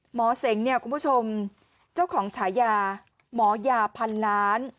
เสงเนี่ยคุณผู้ชมเจ้าของฉายาหมอยาพันล้าน